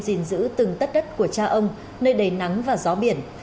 gìn giữ từng tất đất của cha ông nơi đầy nắng và gió biển